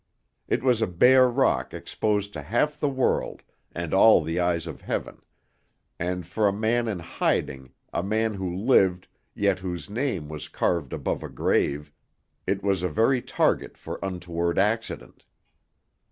It was a bare rock exposed to half the world and all the eyes of Heaven; and for a man in hiding, a man who lived, yet whose name was carved above a grave, it was a very target for untoward accident.